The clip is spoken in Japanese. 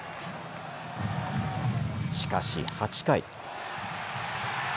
しかし、８回。